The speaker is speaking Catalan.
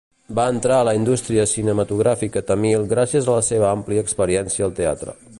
Va entrar a la indústria cinematogràfica tamil gràcies a la seva àmplia experiència al teatre.